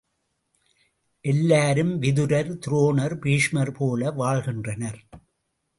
எல்லாரும் விதுரர், துரோணர், பீஷ்மர் போல வாழ்கின்றனர்.